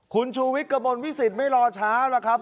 คุณชูวิทย์กระมวลวิสิตไม่รอช้าล่ะครับ